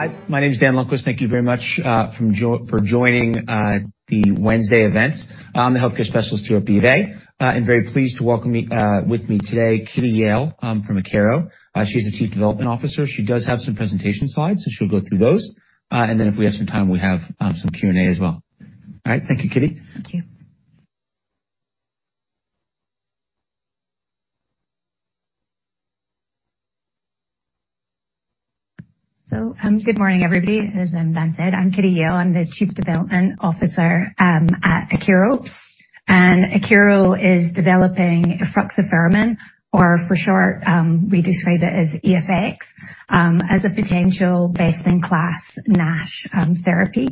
Hi, my name is Dan Lundquist. Thank you very much for joining the Wednesday event. I'm the healthcare specialist here at BofA. I'm very pleased to welcome with me today, Kitty Yale, from Akero. She's the chief development officer. She does have some presentation slides, so she'll go through those. If we have some time, we have some Q&A as well. All right. Thank you, Kitty. Thank you. Good morning, everybody. As Dan said, I'm Kitty Yale, I'm the Chief Development Officer at Akero. Akero is developing efruxifermin, or for short, we just refer to it as EFX, as a potential best-in-class NASH therapy.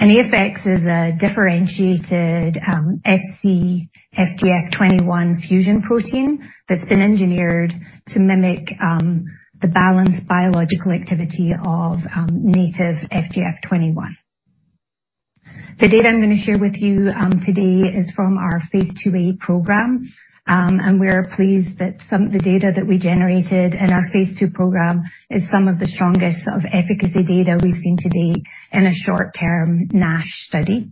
EFX is a differentiated Fc-FGF21 fusion protein that's been engineered to mimic the balanced biological activity of native FGF21. The data I'm gonna share with you today is from our Phase 2a program. We're pleased that some of the data that we generated in our Phase 2 program is some of the strongest efficacy data we've seen to date in a short-term NASH study.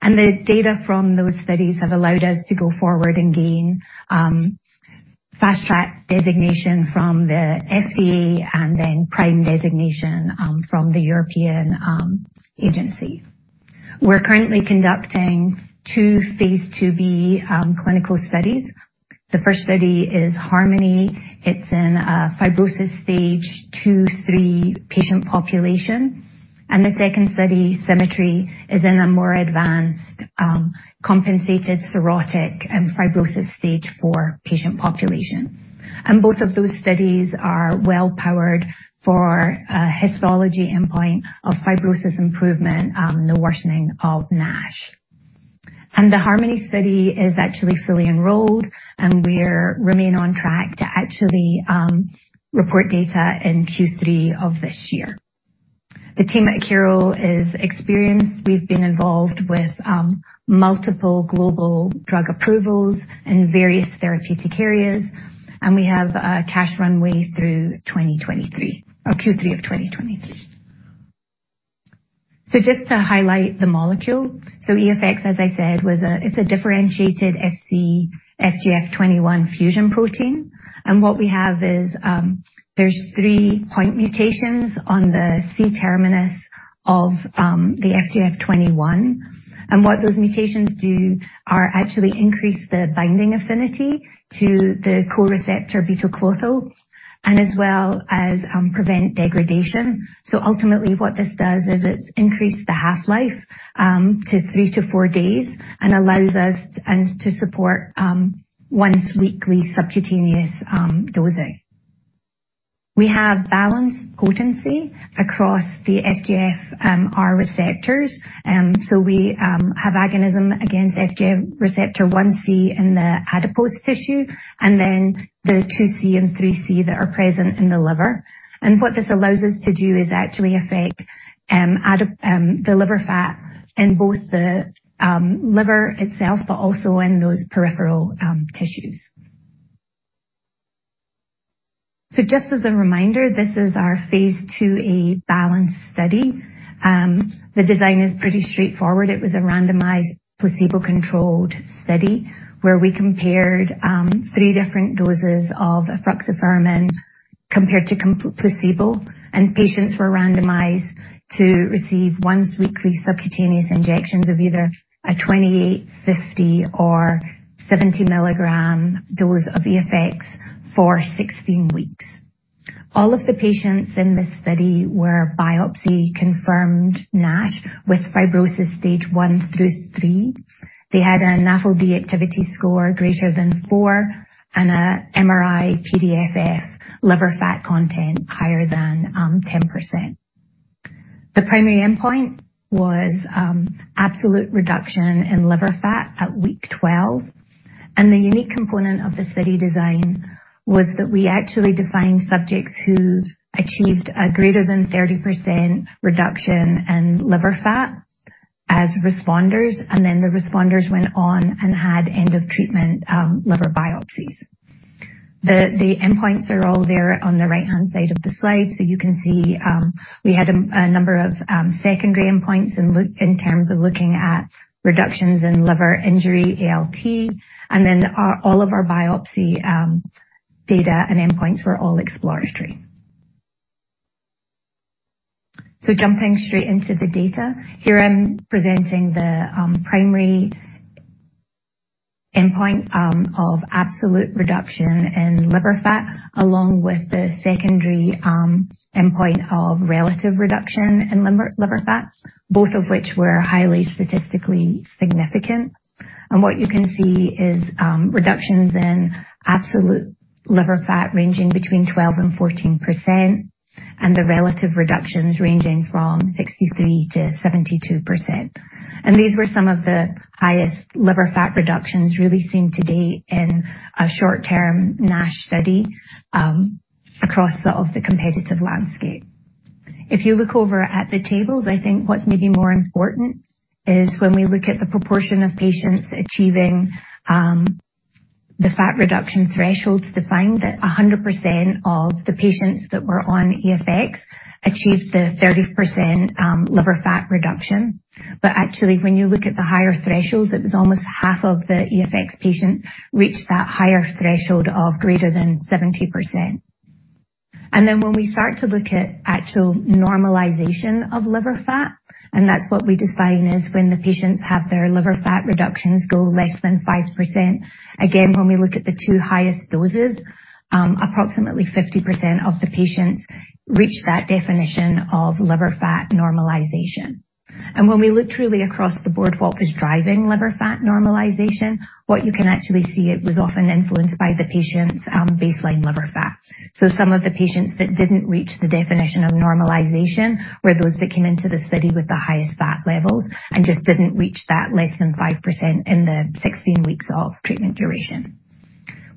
The data from those studies have allowed us to go forward and gain Fast Track designation from the FDA and then PRIME designation from the EMA. We're currently conducting two Phase 2b clinical studies. The first study is HARMONY. It's in F2/F3 patient population. The second study, SYMMETRY, is in a more advanced compensated cirrhotic F4 patient population. Both of those studies are well powered for a histology endpoint of fibrosis improvement and without worsening of NASH. The HARMONY study is actually fully enrolled, and we remain on track to actually report data in Q3 of this year. The team at Akero is experienced. We've been involved with multiple global drug approvals in various therapeutic areas, and we have a cash runway through 2023, or Q3 of 2023. Just to highlight the molecule. EFX, as I said, it's a differentiated Fc-FGF21 fusion protein. What we have is, there's three point mutations on the C-terminus of the FGF 21. What those mutations do are actually increase the binding affinity to the co-receptor beta-klotho and as well as prevent degradation. Ultimately what this does is it's increased the half-life to 3-4 days and allows us to support once-weekly subcutaneous dosing. We have balanced potency across the FGFR receptors. We have agonism against FGF receptor 1c in the adipose tissue and then the 2c and 3c that are present in the liver. What this allows us to do is actually affect the liver fat in both the liver itself, but also in those peripheral tissues. Just as a reminder, this is our Phase 2a BALANCED study. The design is pretty straightforward. It was a randomized placebo-controlled study where we compared three different doses of efruxifermin compared to placebo, and patients were randomized to receive once-weekly subcutaneous injections of either a 20, 50 or 70 milligram dose of EFX for 16 weeks. All of the patients in this study were biopsy-confirmed NASH with fibrosis stage 1 through 3. They had a NAFLD Activity Score greater than 4 and a MRI-PDFF liver fat content higher than 10%. The primary endpoint was absolute reduction in liver fat at week 12. The unique component of the study design was that we actually defined subjects who achieved a greater than 30% reduction in liver fat as responders, and then the responders went on and had end of treatment liver biopsies. The endpoints are all there on the right-hand side of the slide. You can see we had a number of secondary endpoints in terms of looking at reductions in liver injury ALT, and then all of our biopsy data and endpoints were all exploratory. Jumping straight into the data. Here I'm presenting the primary endpoint of absolute reduction in liver fat, along with the secondary endpoint of relative reduction in liver fat, both of which were highly statistically significant. What you can see is reductions in absolute liver fat ranging between 12% and 14% and the relative reductions ranging from 63%-72%. These were some of the highest liver fat reductions really seen to date in a short-term NASH study across the competitive landscape. If you look over at the tables, I think what's maybe more important is when we look at the proportion of patients achieving the fat reduction thresholds defined that 100% of the patients that were on EFX achieved the 30% liver fat reduction. Actually, when you look at the higher thresholds, it was almost half of the EFX patients reached that higher threshold of greater than 70%. When we start to look at actual normalization of liver fat, and that's what we define as when the patients have their liver fat reductions go less than 5%. Again, when we look at the two highest doses, approximately 50% of the patients reach that definition of liver fat normalization. When we look truly across the board, what was driving liver fat normalization, what you can actually see, it was often influenced by the patient's baseline liver fat. Some of the patients that didn't reach the definition of normalization were those that came into the study with the highest fat levels and just didn't reach that less than 5% in the 16 weeks of treatment duration.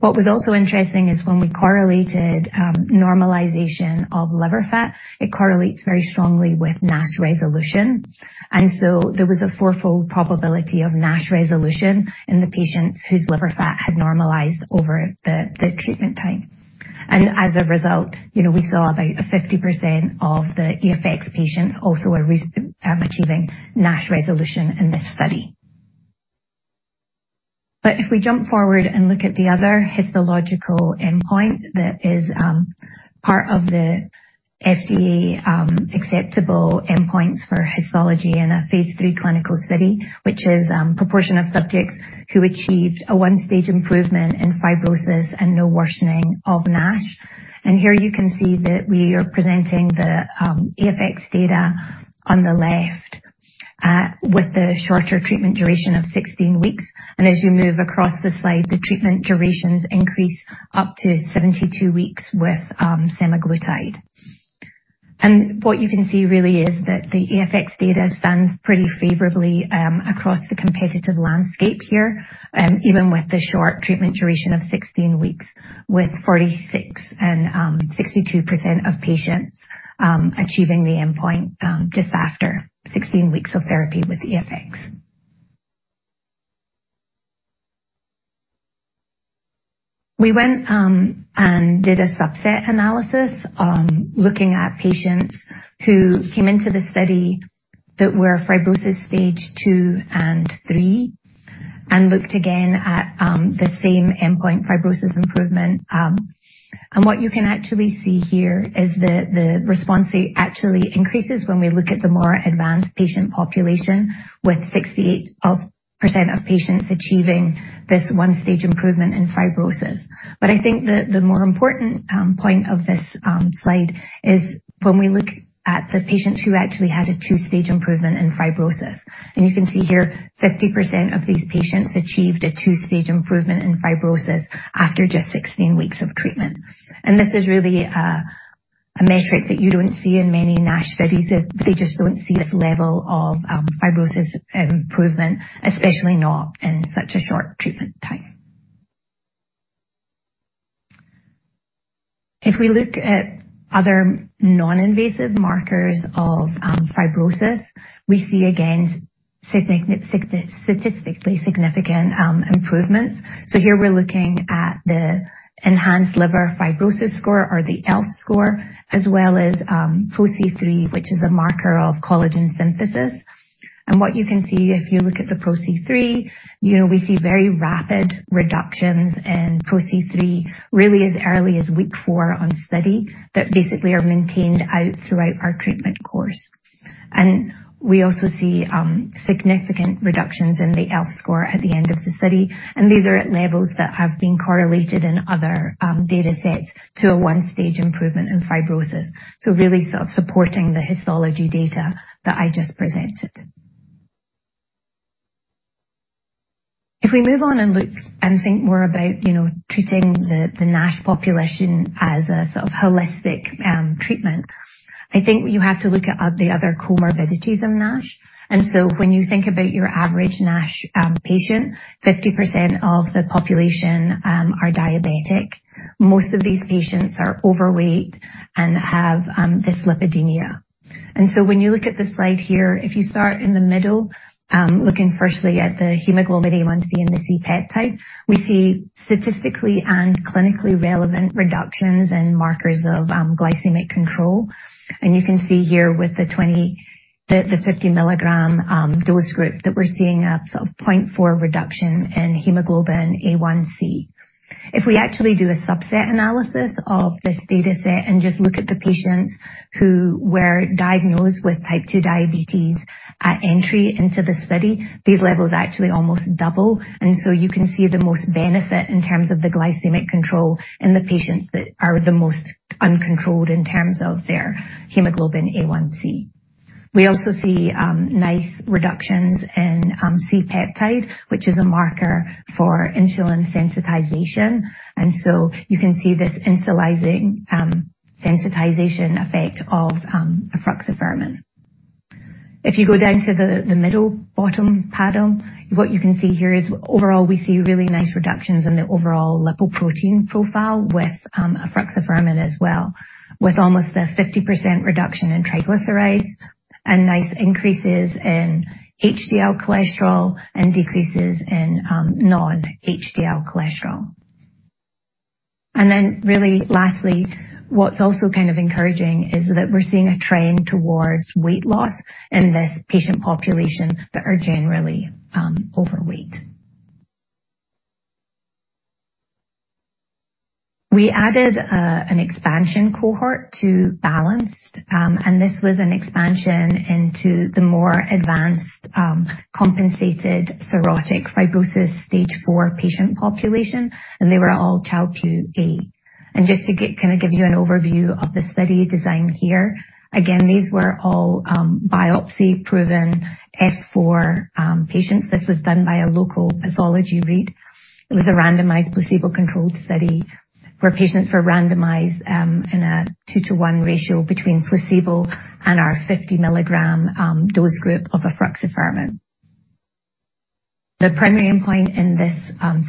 What was also interesting is when we correlated normalization of liver fat, it correlates very strongly with NASH resolution. There was a four-fold probability of NASH resolution in the patients whose liver fat had normalized over the treatment time. As a result, you know, we saw about 50% of the EFX patients also were achieving NASH resolution in this study. If we jump forward and look at the other histological endpoint that is part of the FDA acceptable endpoints for histology in a Phase 3 clinical study. Which is proportion of subjects who achieved a one-stage improvement in fibrosis and no worsening of NASH. Here you can see that we are presenting the EFX data on the left with the shorter treatment duration of 16 weeks. As you move across the slide, the treatment durations increase up to 72 weeks with semaglutide. What you can see really is that the EFX data stands pretty favorably across the competitive landscape here. Even with the short treatment duration of 16 weeks, with 46 and 62% of patients achieving the endpoint just after 16 weeks of therapy with EFX. We went and did a subset analysis on looking at patients who came into the study that were fibrosis stage 2 and 3, and looked again at the same endpoint fibrosis improvement. What you can actually see here is the response rate actually increases when we look at the more advanced patient population with 68% of patients achieving this 1-stage improvement in fibrosis. I think the more important point of this slide is when we look at the patients who actually had a 2-stage improvement in fibrosis. You can see here 50% of these patients achieved a two-stage improvement in fibrosis after just 16 weeks of treatment. This is really a metric that you don't see in many NASH studies. They just don't see this level of fibrosis improvement, especially not in such a short treatment time. If we look at other non-invasive markers of fibrosis, we see again statistically significant improvements. Here we're looking at the enhanced liver fibrosis score or the ELF score, as well as PRO-C3, which is a marker of collagen synthesis. What you can see if you look at the PRO-C3, you know, we see very rapid reductions in PRO-C3, really as early as week four on study, that basically are maintained out throughout our treatment course. We also see significant reductions in the ELF score at the end of the study. These are at levels that have been correlated in other data sets to a one-stage improvement in fibrosis. Really sort of supporting the histology data that I just presented. If we move on and look and think more about, you know, treating the NASH population as a sort of holistic treatment, I think you have to look at the other comorbidities of NASH. When you think about your average NASH patient, 50% of the population are diabetic. Most of these patients are overweight and have this dyslipidemia. When you look at the slide here, if you start in the middle, looking firstly at the hemoglobin A1c and the C-peptide, we see statistically and clinically relevant reductions in markers of glycemic control. You can see here with the 50 milligram dose group that we're seeing a sort of 0.4 reduction in hemoglobin A1c. If we actually do a subset analysis of this data set and just look at the patients who were diagnosed with type 2 diabetes at entry into the study, these levels actually almost double. You can see the most benefit in terms of the glycemic control in the patients that are the most uncontrolled in terms of their hemoglobin A1c. We also see nice reductions in C-peptide, which is a marker for insulin sensitization. You can see this insulin sensitizing effect of efruxifermin. If you go down to the middle bottom panel, what you can see here is overall we see really nice reductions in the overall lipoprotein profile with efruxifermin as well, with almost a 50% reduction in triglycerides. Nice increases in HDL cholesterol and decreases in non-HDL cholesterol. Then really lastly, what's also kind of encouraging is that we're seeing a trend towards weight loss in this patient population that are generally overweight. We added an expansion cohort to BALANCED, and this was an expansion into the more advanced compensated cirrhotic fibrosis stage 4 patient population, and they were all Child-Pugh A. Just to kind of give you an overview of the study design here. Again, these were all biopsy-proven F4 patients. This was done by a local pathology read. It was a randomized placebo-controlled study where patients were randomized in a 2-to-1 ratio between placebo and our 50 milligram dose group of efruxifermin. The primary endpoint in this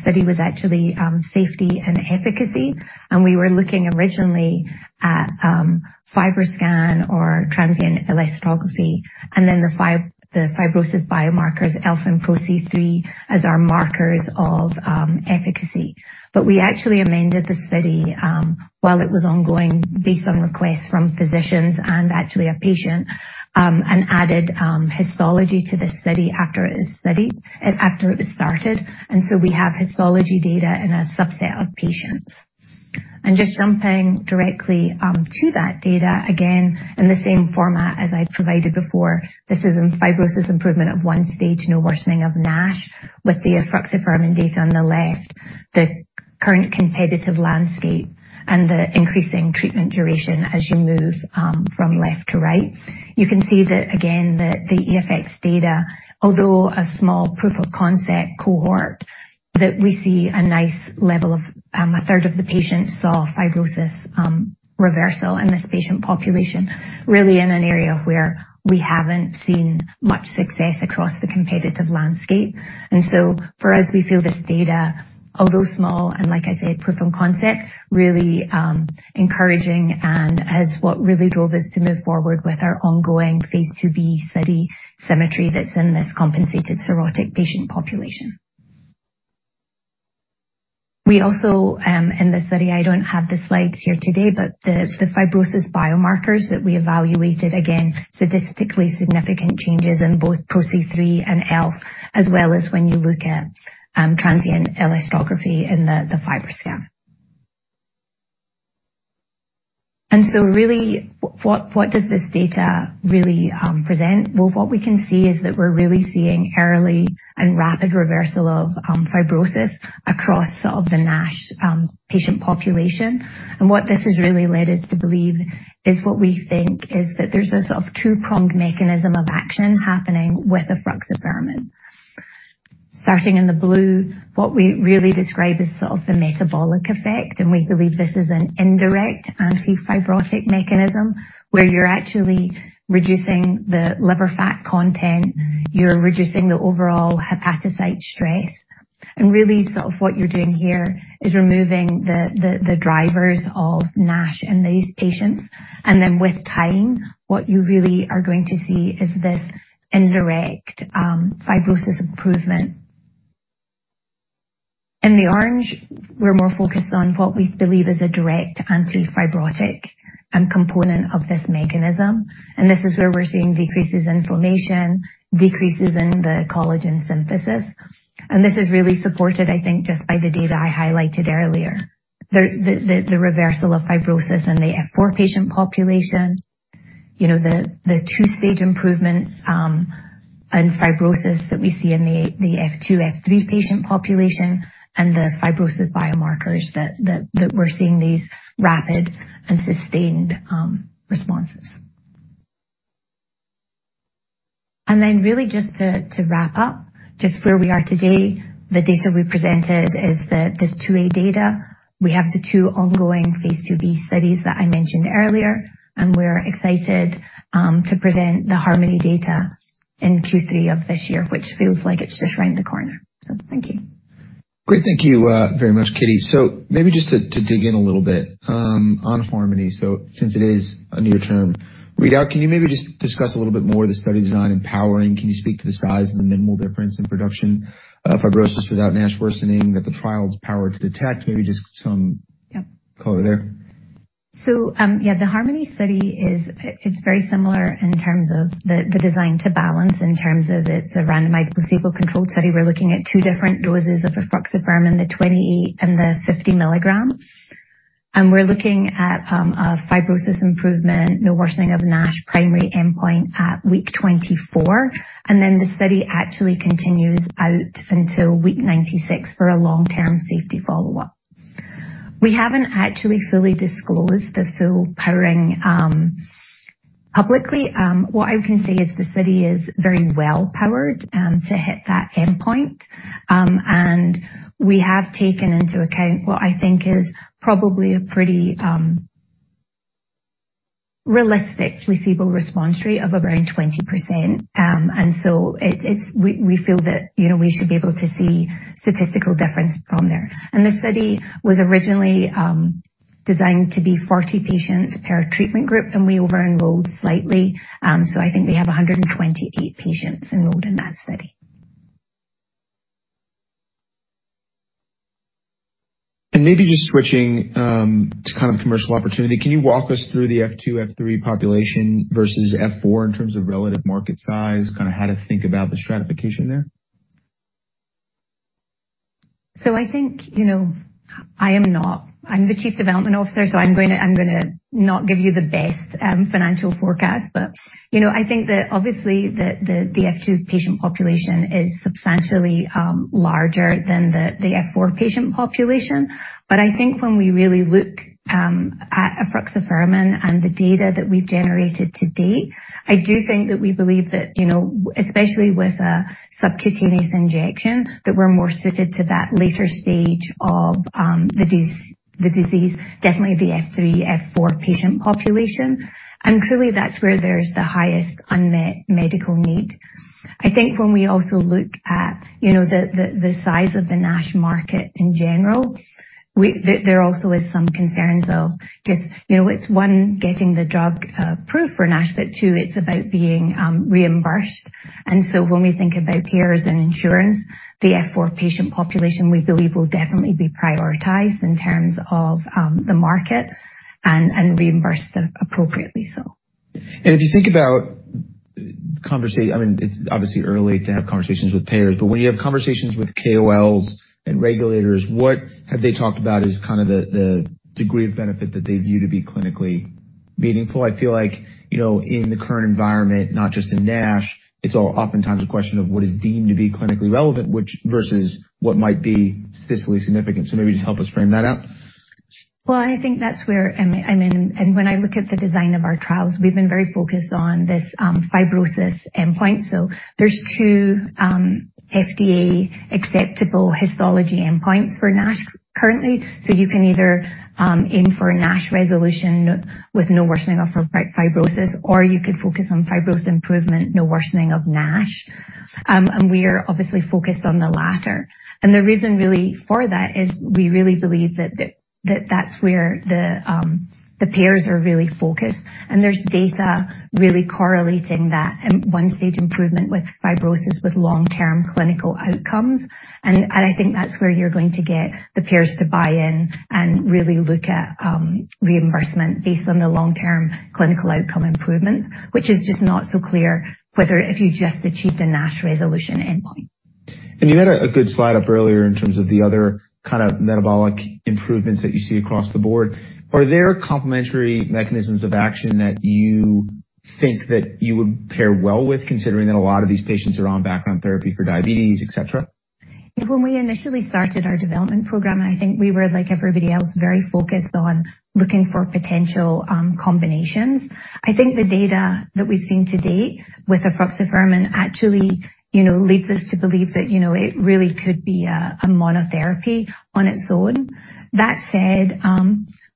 study was actually safety and efficacy, and we were looking originally at FibroScan or transient elastography and then the fibrosis biomarkers ELF and PRO-C3 as our markers of efficacy. We actually amended the study while it was ongoing based on requests from physicians and actually a patient, and added histology to the study after it was started. We have histology data in a subset of patients. Jumping directly to that data, again, in the same format as I'd provided before, this is in fibrosis improvement of one stage, no worsening of NASH with the efruxifermin data on the left, the current competitive landscape and the increasing treatment duration as you move from left to right. You can see that again the EFX data, although a small proof of concept cohort, that we see a nice level of a third of the patients saw fibrosis reversal in this patient population, really in an area where we haven't seen much success across the competitive landscape. For us, we feel this data, although small and like I said, proof of concept, really encouraging and is what really drove us to move forward with our ongoing Phase 2b study SYMMETRY that's in this compensated cirrhotic patient population. We also in the study, I don't have the slides here today, but the fibrosis biomarkers that we evaluated, again, statistically significant changes in both PRO-C3 and ELF, as well as when you look at transient elastography in the FibroScan. Really, what does this data really present? Well, what we can see is that we're really seeing early and rapid reversal of fibrosis across sort of the NASH patient population. What this has really led us to believe is what we think is that there's a sort of two-pronged mechanism of action happening with efruxifermin. Starting in the blue, what we really describe is sort of the metabolic effect, and we believe this is an indirect anti-fibrotic mechanism where you're actually reducing the liver fat content, you're reducing the overall hepatocyte stress. Really sort of what you're doing here is removing the drivers of NASH in these patients. With time, what you really are going to see is this indirect fibrosis improvement. In the orange, we're more focused on what we believe is a direct anti-fibrotic component of this mechanism. This is where we're seeing decreases in inflammation, decreases in the collagen synthesis. This really supported, I think, just by the data I highlighted earlier. The reversal of fibrosis in the F4 patient population. The two-stage improvement in fibrosis that we see in the F2, F3 patient population and the fibrosis biomarkers that we're seeing these rapid and sustained responses. Really just to wrap up just where we are today, the data we presented is the top-line data. We have the two ongoing Phase 2b studies that I mentioned earlier, and we're excited to present the HARMONY data in Q3 of this year, which feels like it's just around the corner. Thank you. Great. Thank you very much, Kitty. Maybe just to dig in a little bit on HARMONY. Since it is a near-term readout, can you maybe just discuss a little bit more the study design and powering? Can you speak to the size and the minimal difference in reduction of fibrosis without NASH worsening that the trial's power to detect? Maybe just some. Yep. Color there. The HARMONY study is very similar in terms of the design to BALANCED in terms of it's a randomized placebo-controlled study. We're looking at two different doses of efruxifermin, the 20 and the 50 milligrams. We're looking at a fibrosis improvement, no worsening of NASH primary endpoint at week 24. The study actually continues out until week 96 for a long-term safety follow-up. We haven't actually fully disclosed the full powering publicly. What I can say is the study is very well powered to hit that endpoint. We have taken into account what I think is probably a pretty realistic placebo response rate of around 20%. We feel that, you know, we should be able to see statistical difference from there. The study was originally designed to be 40 patients per treatment group, and we over-enrolled slightly. I think we have 128 patients enrolled in that study. Maybe just switching to kind of commercial opportunity. Can you walk us through the F2, F3 population versus F4 in terms of relative market size? Kinda how to think about the stratification there. I think, you know, I'm the Chief Development Officer, so I'm gonna not give you the best financial forecast. You know, I think that obviously the F2 patient population is substantially larger than the F4 patient population. I think when we really look at efruxifermin and the data that we've generated to date, I do think that we believe that, you know, especially with a subcutaneous injection, that we're more suited to that later stage of the disease, definitely the F3, F4 patient population. Clearly, that's where there's the highest unmet medical need. I think when we also look at, you know, the size of the NASH market in general, there also is some concerns of just, you know, it's one, getting the drug approved for NASH, but two, it's about being reimbursed. When we think about payers and insurance, the F4 patient population, we believe, will definitely be prioritized in terms of the market and reimbursed appropriately so. If you think about conversations, I mean, it's obviously early to have conversations with payers, but when you have conversations with KOLs and regulators, what have they talked about as kind of the degree of benefit that they view to be clinically meaningful? I feel like, you know, in the current environment, not just in NASH, it's oftentimes a question of what is deemed to be clinically relevant, which versus what might be statistically significant. Maybe just help us frame that out. I mean, when I look at the design of our trials, we've been very focused on this fibrosis endpoint. There's two FDA acceptable histology endpoints for NASH currently. You can either aim for a NASH resolution with no worsening of fibrosis, or you could focus on fibrosis improvement, no worsening of NASH. We are obviously focused on the latter. The reason really for that is we really believe that that's where the payers are really focused. There's data really correlating that one stage improvement with fibrosis with long-term clinical outcomes. I think that's where you're going to get the payers to buy in and really look at reimbursement based on the long-term clinical outcome improvements, which is just not so clear, whether if you just achieved a NASH resolution endpoint. You had a good slide up earlier in terms of the other kinda metabolic improvements that you see across the board. Are there complementary mechanisms of action that you think that you would pair well with, considering that a lot of these patients are on background therapy for diabetes, et cetera? When we initially started our development program, and I think we were, like everybody else, very focused on looking for potential combinations. I think the data that we've seen to date with efruxifermin actually, you know, leads us to believe that, you know, it really could be a monotherapy on its own. That said,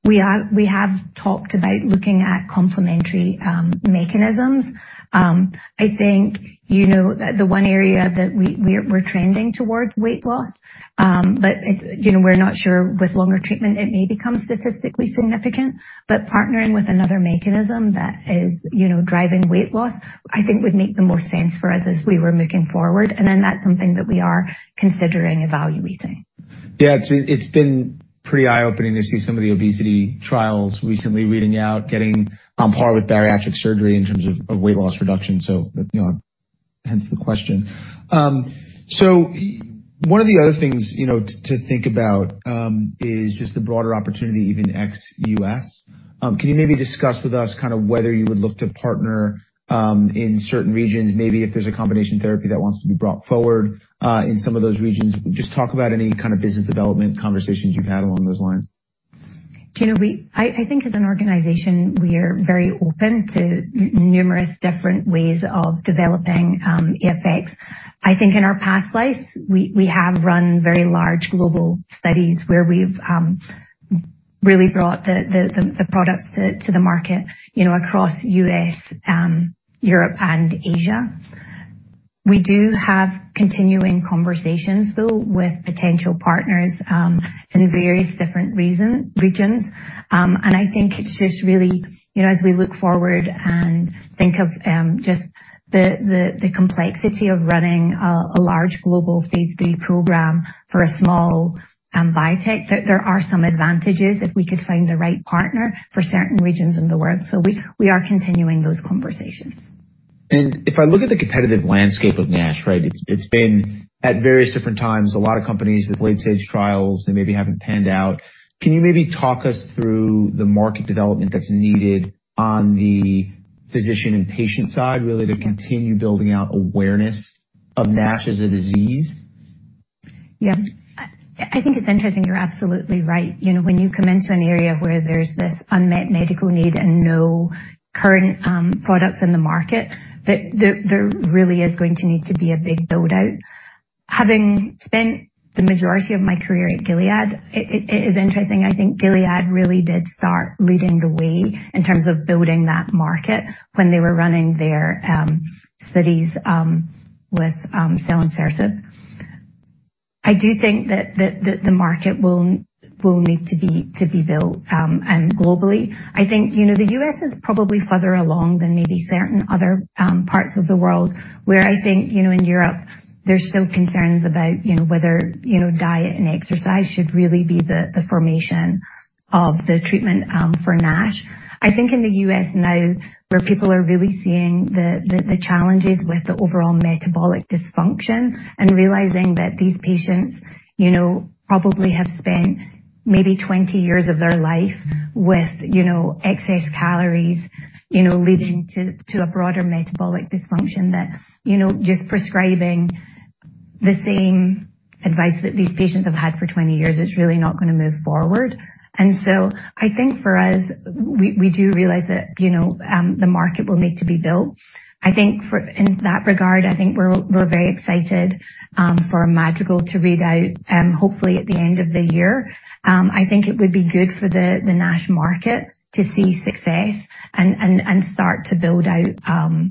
we have talked about looking at complementary mechanisms. I think you know the one area that we're trending toward weight loss. It's, you know, we're not sure, with longer treatment it may become statistically significant. Partnering with another mechanism that is, you know, driving weight loss, I think would make the most sense for us as we were moving forward. That's something that we are considering evaluating. Yeah, it's been pretty eye-opening to see some of the obesity trials recently reading out, getting on par with bariatric surgery in terms of weight loss reduction. You know, hence the question. One of the other things, you know, to think about, is just the broader opportunity, even ex-U.S. Can you maybe discuss with us kinda whether you would look to partner in certain regions, maybe if there's a combination therapy that wants to be brought forward in some of those regions? Just talk about any kind of business development conversations you've had along those lines. You know, I think as an organization, we are very open to numerous different ways of developing EFX. I think in our past lives, we have run very large global studies where we've really brought the products to the market, you know, across U.S., Europe and Asia. We do have continuing conversations, though, with potential partners in various different regions. I think it's just really. You know, as we look forward and think of just the complexity of running a large global Phase 3 program for a small biotech, that there are some advantages if we could find the right partner for certain regions in the world. We are continuing those conversations. If I look at the competitive landscape of NASH, right, it's been at various different times, a lot of companies with late-stage trials that maybe haven't panned out. Can you maybe talk us through the market development that's needed on the physician and patient side, really, to continue building out awareness of NASH as a disease? Yeah. I think it's interesting. You're absolutely right. You know, when you come into an area where there's this unmet medical need and no current products in the market, there really is going to need to be a big build-out. Having spent the majority of my career at Gilead, it is interesting. I think Gilead really did start leading the way in terms of building that market when they were running their studies with selonsertib. I do think that the market will need to be built and globally. I think, you know, the U.S. is probably further along than maybe certain other parts of the world where I think, you know, in Europe there's still concerns about, you know, whether, you know, diet and exercise should really be the formation of the treatment for NASH. I think in the U.S. now where people are really seeing the challenges with the overall metabolic dysfunction and realizing that these patients, you know, probably have spent maybe 20 years of their life with, you know, excess calories, you know, leading to a broader metabolic dysfunction that, you know, just prescribing the same advice that these patients have had for 20 years is really not gonna move forward. I think for us, we do realize that, you know, the market will need to be built. In that regard, I think we're very excited for Madrigal to read out, hopefully at the end of the year. I think it would be good for the NASH market to see success and start to build out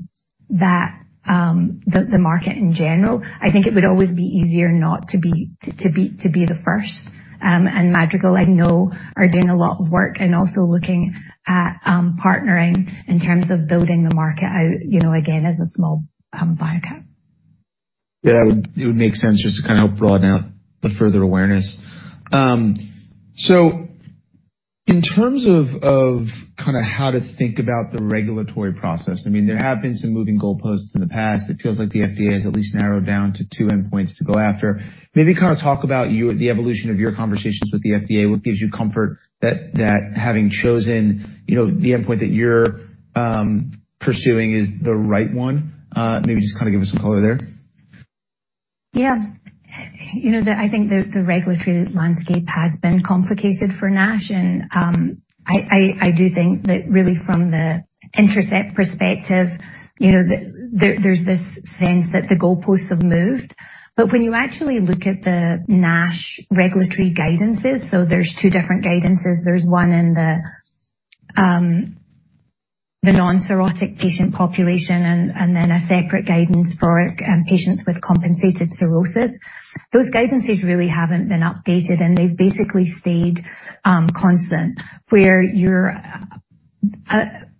that the market in general. I think it would always be easier not to be the first. Madrigal, I know, are doing a lot of work and also looking at partnering in terms of building the market out, you know, again, as a small biotech. Yeah. It would make sense just to kind of help broaden out the further awareness. In terms of kind of how to think about the regulatory process, I mean, there have been some moving goalposts in the past. It feels like the FDA has at least narrowed down to two endpoints to go after. Maybe kind of talk about your, the evolution of your conversations with the FDA, what gives you comfort that having chosen, you know, the endpoint that you're pursuing is the right one? Maybe just kind of give us some color there. Yeah. You know, I think the regulatory landscape has been complicated for NASH. I do think that really from the Intercept perspective, you know, there's this sense that the goalposts have moved. When you actually look at the NASH regulatory guidances, there's two different guidances. There's one in the non-cirrhotic patient population and then a separate guidance for patients with compensated cirrhosis. Those guidances really haven't been updated, and they've basically stayed constant, where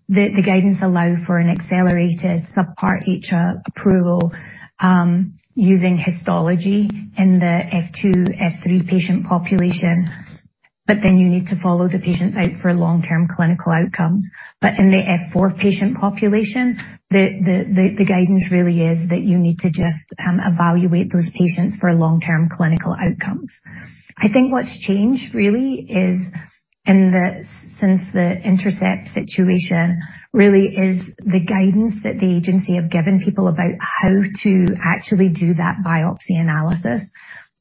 the guidance allow for an accelerated Subpart H approval using histology in the F2, F3 patient population. Then you need to follow the patients out for long-term clinical outcomes. In the F4 patient population, the guidance really is that you need to just evaluate those patients for long-term clinical outcomes. I think what's changed really is since the Intercept situation, really is the guidance that the agency have given people about how to actually do that biopsy analysis.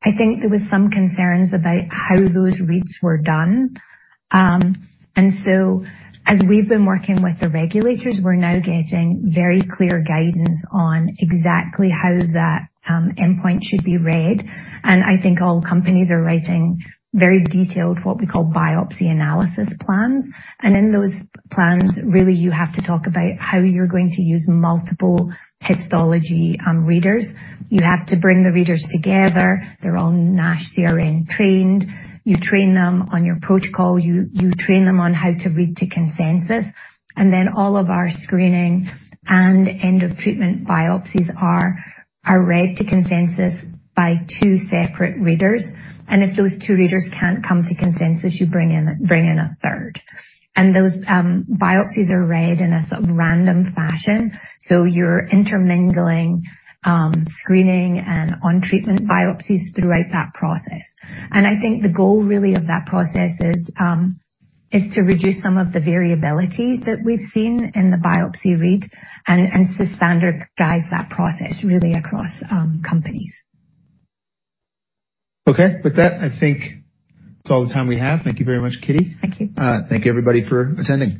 I think there was some concerns about how those reads were done. As we've been working with the regulators, we're now getting very clear guidance on exactly how that endpoint should be read. I think all companies are writing very detailed, what we call biopsy analysis plans. In those plans, really you have to talk about how you're going to use multiple histology readers. You have to bring the readers together. They're all NASH CRN trained. You train them on your protocol. You train them on how to read to consensus. Then all of our screening and end of treatment biopsies are read to consensus by two separate readers. If those two readers can't come to consensus, you bring in a third. Those biopsies are read in a sort of random fashion, so you're intermingling screening and on treatment biopsies throughout that process. I think the goal really of that process is to reduce some of the variability that we've seen in the biopsy read and to standardize that process really across companies. Okay. With that, I think it's all the time we have. Thank you very much, Kitty. Thank you. Thank you, everybody, for attending.